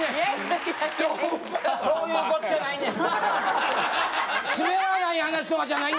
そういうことじゃないねん。